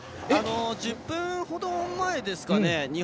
１０分ほど前ですかね